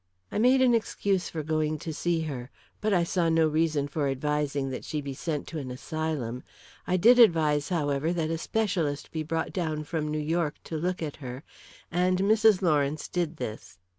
I made an excuse for going to see her. But I saw no reason for advising that she be sent to an asylum. I did advise, however, that a specialist be brought down from New York to look at her, and Mrs. Lawrence did this.